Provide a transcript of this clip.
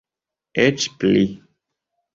Eĉ pli.